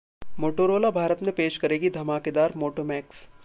Motorola Bharat में पेश करेगी धमाकेदार मोटो मैक्स